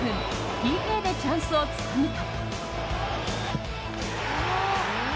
ＰＫでチャンスをつかむと。